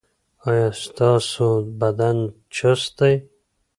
ایا ستاسو بدن چست دی؟